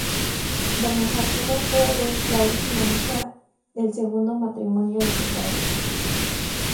Doña Joaquina fue la última hija del segundo matrimonio de su padre.